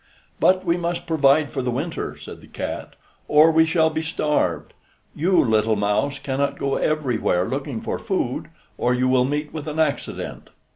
"But we must provide for the winter," said the cat, "or we shall be starved; you, little mouse, cannot go everywhere looking for food, or you will meet with an accident."